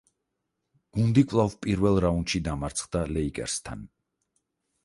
გუნდი კვლავ პირველ რაუნდში დამარცხდა ლეიკერსთან.